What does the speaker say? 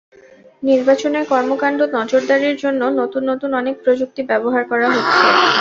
নির্বাচনের কর্মকাণ্ড নজরদারির জন্য নতুন নতুন অনেক প্রযুক্তি ব্যবহার করা হচ্ছে।